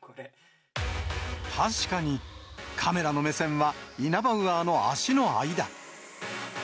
確かに、カメラの目線はイナバウアーの足の間。